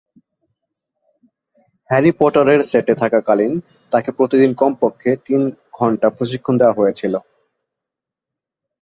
Harry পটারের সেটে থাকাকালীন, তাকে প্রতিদিন কমপক্ষে তিন ঘণ্টা প্রশিক্ষণ দেওয়া হয়েছিল।